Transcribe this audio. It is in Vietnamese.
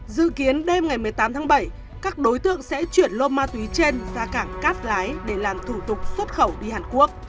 dự kiến đêm ngày một mươi tám tháng bảy các đối tượng sẽ chuyển lô ma túy trên ra cảng cát lái để làm thủ tục xuất khẩu đi hàn quốc